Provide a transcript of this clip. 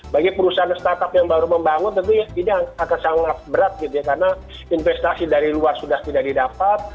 bagi perusahaan startup yang baru membangun tentu ini akan sangat berat gitu ya karena investasi dari luar sudah tidak didapat